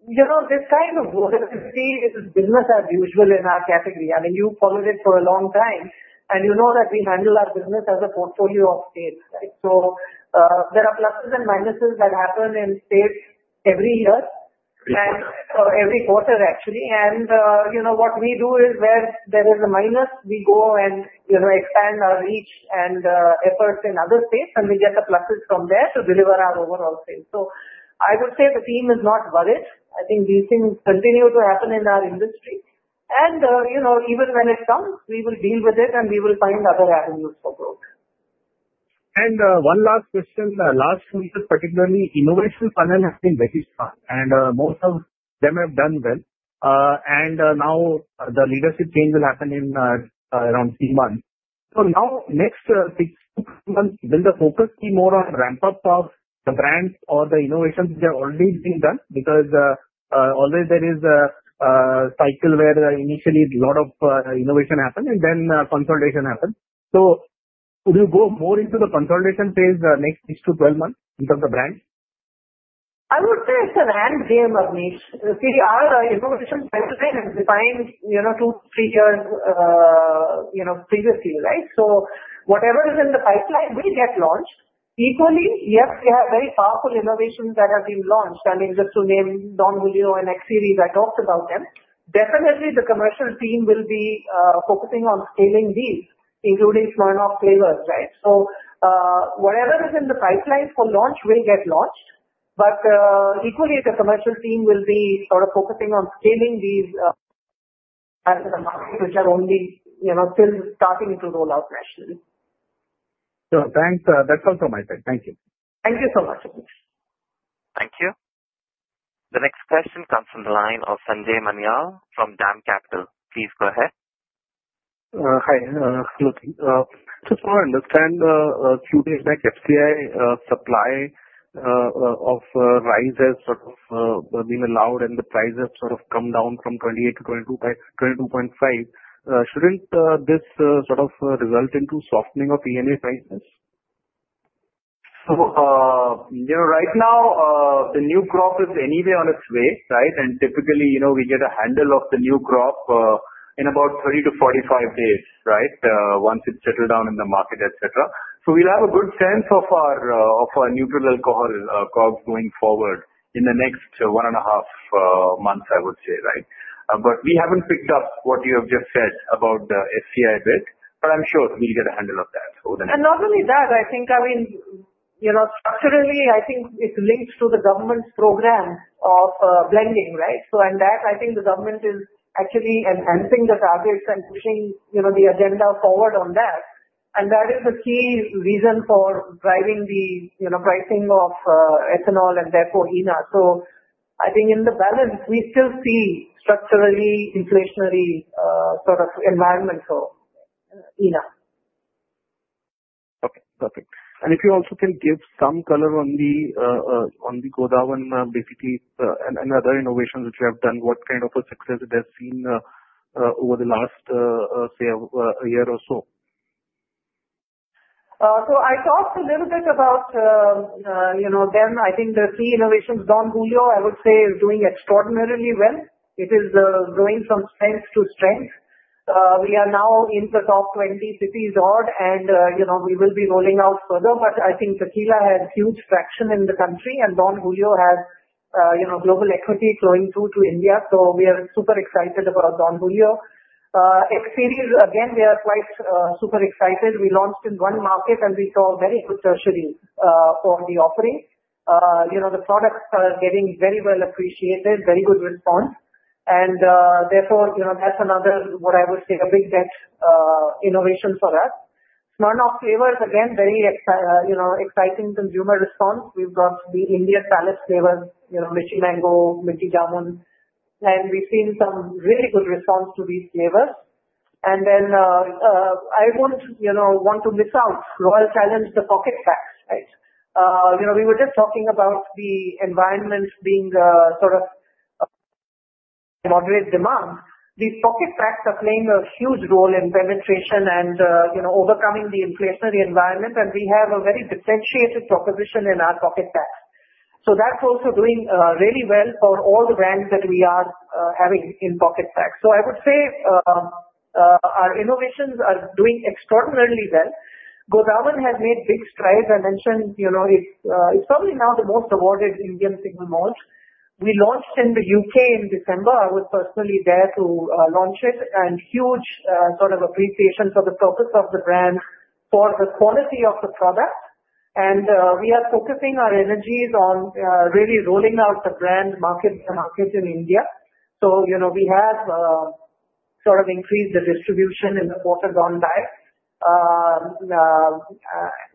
this kind of growth, you see, is business as usual in our category. I mean, you followed it for a long time, and you know that we handle our business as a portfolio of states, right? So there are pluses and minuses that happen in states every year, every quarter, actually. And what we do is where there is a minus, we go and expand our reach and efforts in other states, and we get the pluses from there to deliver our overall sales. So I would say the team is not worried. I think these things continue to happen in our industry. And even when it comes, we will deal with it, and we will find other avenues for growth. And one last question. Last week, particularly, innovation funnel has been very strong, and most of them have done well. And now the leadership change will happen in around three months. So now, next six months, will the focus be more on ramp-up of the brands or the innovations that have already been done? Because always there is a cycle where initially a lot of innovation happens, and then consolidation happens. So would you go more into the consolidation phase next six to 12 months in terms of brands? I would say it's a long game, Abneesh. See, our innovation pipeline is defined two, three years previously, right? So whatever is in the pipeline, we get launched. Equally, yes, we have very powerful innovations that have been launched. I mean, just to name Don Julio and X-Series, I talked about them. Definitely, the commercial team will be focusing on scaling these, including smaller flavors, right? So whatever is in the pipeline for launch, we'll get launched. But equally, the commercial team will be sort of focusing on scaling these as the market, which are only still starting to roll out nationally. Sure. Thanks. That's all from my side. Thank you. Thank you so much. Thank you. The next question comes from the line of Sanjay Manyal from DAM Capital. Please go ahead. Hi. Look, just from our understanding, a few days back, FCI supply of rice has sort of been allowed, and the price has sort of come down from 28 to 22.5. Shouldn't this sort of result in softening of ENA prices? So right now, the new crop is anyway on its way, right? And typically, we get a handle of the new crop in about 30-45 days, right, once it's settled down in the market, etc. So we'll have a good sense of our neutral alcohol COGS going forward in the next one and a half months, I would say, right? But we haven't picked up what you have just said about the FCI bit, but I'm sure we'll get a handle of that. And not only that, I think, I mean, structurally, I think it's linked to the government's program of blending, right? And that, I think the government is actually enhancing the targets and pushing the agenda forward on that. And that is the key reason for driving the pricing of ethanol and therefore ENA. So I think in the balance, we still see structurally inflationary sort of environment for ENA. Okay. Perfect. And if you also can give some color on the Godawan, B&W and other innovations which you have done, what kind of a success it has seen over the last, say, a year or so? I talked a little bit about them. I think the key innovations, Don Julio, I would say, is doing extraordinarily well. It is going from strength to strength. We are now in the top 20 cities odd, and we will be rolling out further. I think Tequila has huge traction in the country, and Don Julio has global equity flowing through to India. We are super excited about Don Julio. X-Series, again, we are quite super excited. We launched in one market, and we saw very good tertiary on the offering. The products are getting very well appreciated, very good response. Therefore, that's another, what I would say, a big bet innovation for us. Smirnoff flavors, again, very exciting consumer response. We've got the Indian palate flavors, Spicy Mango, Minty Jamun. We've seen some really good response to these flavors. Then I wouldn't want to miss out. Royal Challenge, the pocket packs, right? We were just talking about the environment being sort of moderate demand. These pocket packs are playing a huge role in penetration and overcoming the inflationary environment. We have a very differentiated proposition in our pocket packs. So that's also doing really well for all the brands that we are having in pocket packs. So I would say our innovations are doing extraordinarily well. Godawan has made big strides. I mentioned it's probably now the most awarded Indian single malt we launched in the U.K. in December. I was personally there to launch it. Huge sort of appreciation for the purpose of the brand, for the quality of the product. We are focusing our energies on really rolling out the brand market to market in India. So we have sort of increased the distribution in the quarter gone by.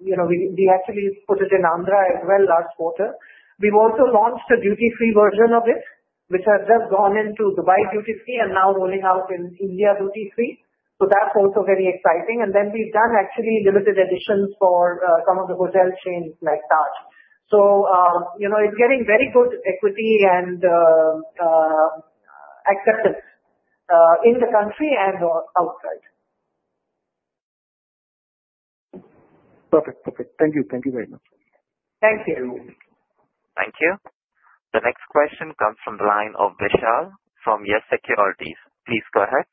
We actually put it in Andhra as well last quarter. We've also launched a duty-free version of it, which has just gone into Dubai duty-free and now rolling out in India duty-free. So that's also very exciting. And then we've done actually limited editions for some of the hotel chains like Taj. So it's getting very good equity and acceptance in the country and outside. Perfect. Perfect. Thank you. Thank you very much. Thank you. Thank you. The next question comes from the line of Vishal from Yes Securities. Please go ahead.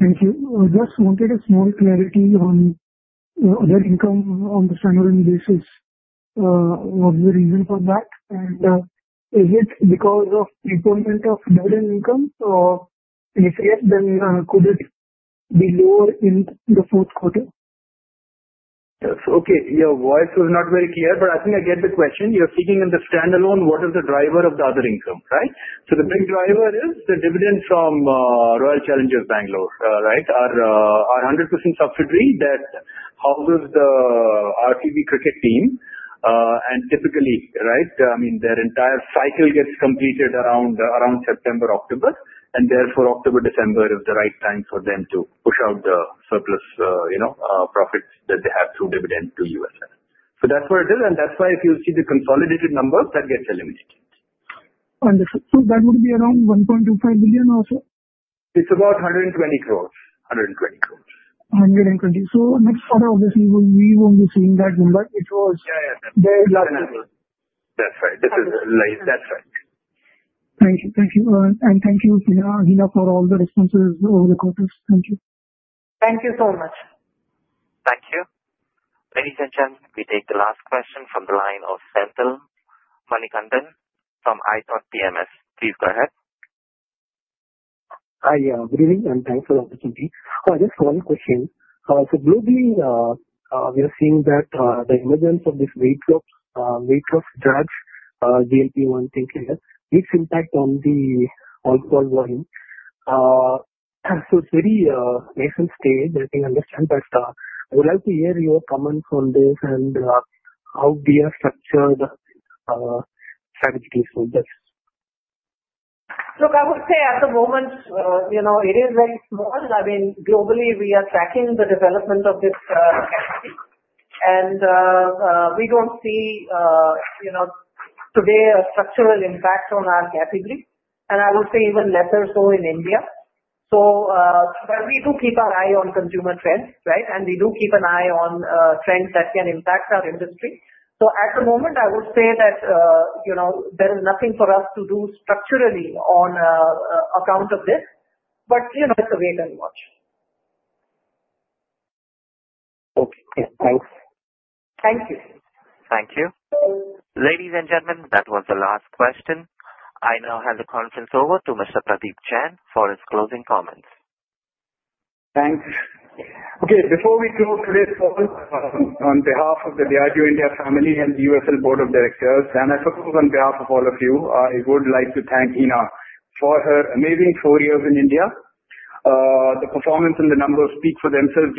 Thank you. I just wanted a small clarity on the income on the standalone basis. What's the reason for that? And is it because of improvement of dividend income? And if yes, then could it be lower in the fourth quarter? Okay. Your voice was not very clear, but I think I get the question. You're speaking in the standalone. What is the driver of the other income, right? So the big driver is the dividend from Royal Challengers Bangalore, right, our 100% subsidiary that houses the RCB cricket team. And typically, right, I mean, their entire cycle gets completed around September, October. And therefore, October, December is the right time for them to push out the surplus profits that they have through dividend to USL. So that's what it is. And that's why if you see the consolidated numbers, that gets eliminated. Wonderful. So that would be around 1.25 billion or so? It's about 120 crores. 120 crores. So next quarter, obviously, we won't be seeing that number. It was very large number. That's right. That's right. Thank you. Thank you. And thank you, Hina, for all the responses over the quarters. Thank you. Thank you so much. Thank you. Ladies and gentlemen, we take the last question from the line of Senthil Manikandan from iThought PMS. Please go ahead. Hi. Good evening. And thanks for the opportunity. Just one question. So globally, we are seeing that the emergence of these weight loss drugs, GLP-1, things like that, it's impact on the alcohol volume. So it's a very nascent stage, I think, understand. But I would like to hear your comments on this and how do you structure the strategy to do this. Look, I would say at the moment, it is very small. I mean, globally, we are tracking the development of this category. And we don't see today a structural impact on our category. And I would say even lesser so in India. But we do keep an eye on consumer trends, right? And we do keep an eye on trends that can impact our industry. So at the moment, I would say that there is nothing for us to do structurally on account of this. But it's a wait and watch. Okay. Thanks. Thank you. Thank you. Ladies and gentlemen, that was the last question. I now hand the conference over to Mr. Pradeep Jain for his closing comments. Thanks. Okay. Before we close today's call, on behalf of the Diageo India family and the USL Board of Directors, and I think on behalf of all of you, I would like to thank Hina for her amazing four years in India. The performance and the numbers speak for themselves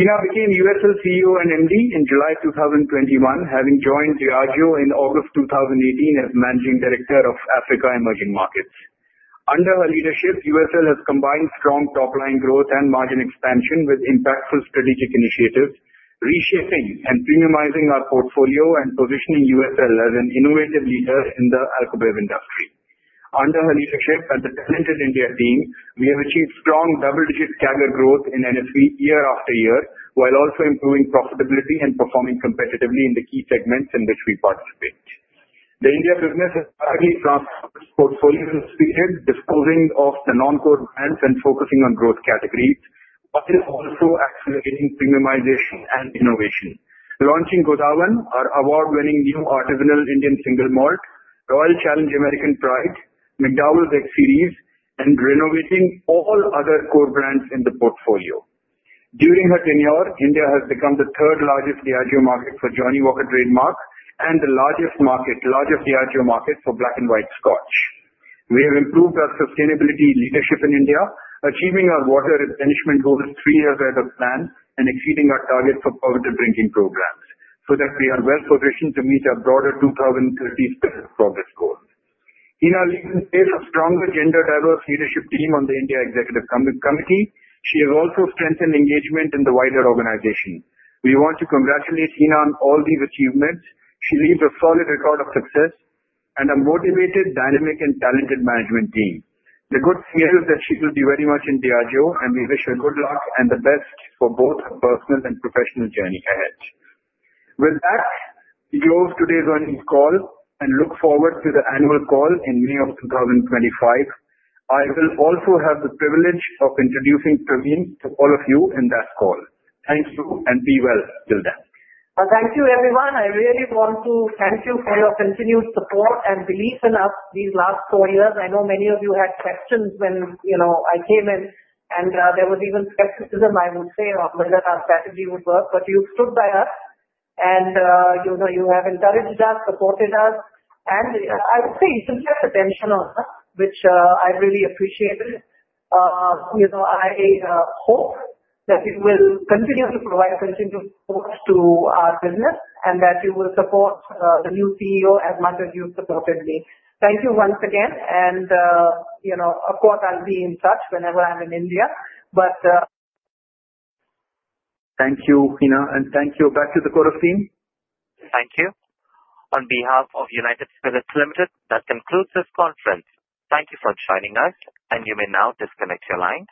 during the period. Hina became USL CEO and MD in July 2021, having joined Diageo in August 2018 as Managing Director of Africa Emerging Markets. Under her leadership, USL has combined strong top-line growth and margin expansion with impactful strategic initiatives, reshaping and premiumizing our portfolio and positioning USL as an innovative leader in the alcohol industry. Under her leadership and the talented India team, we have achieved strong double-digit CAGR growth in NSV year after year, while also improving profitability and performing competitively in the key segments in which we participate. The India business has rapidly transformed its portfolio strategy, disposing of the non-core brands and focusing on growth categories, but is also accelerating premiumization and innovation. Launching Godawan, our award-winning new artisanal Indian single malt, Royal Challenge American Pride, McDowell's X Series, and renovating all other core brands in the portfolio. During her tenure, India has become the third largest BIO market for Johnnie Walker trademark and the largest BIO market for Black & White Scotch. We have improved our sustainability leadership in India, achieving our water replenishment goals three years ahead of plan and exceeding our target for positive drinking programs so that we are well positioned to meet our broader 2030 progress goals. Hina leads a stronger gender-diverse leadership team on the India Executive Committee. She has also strengthened engagement in the wider organization. We want to congratulate Hina on all these achievements. She leaves a solid record of success and a motivated, dynamic, and talented management team. The good news here is that she will be very much in the background, and we wish her good luck and the best for both her personal and professional journey ahead. With that, we close today's earnings call and look forward to the annual call in May of 2025. I will also have the privilege of introducing Praveen to all of you in that call. Thank you and be well till then. Thank you, everyone. I really want to thank you for your continued support and belief in us these last four years. I know many of you had questions when I came in, and there was even skepticism, I would say, on whether our strategy would work. But you stood by us, and you have encouraged us, supported us. And I would say you have been attentive, which I really appreciated. I hope that you will continue to provide continued support to our business and that you will support the new CEO as much as you supported me. Thank you once again. And of course, I'll be in touch whenever I'm in India. But. Thank you, Hina. And thank you. Back to the core of team. Thank you. On behalf of United Spirits Limited, that concludes this conference. Thank you for joining us, and you may now disconnect your lines.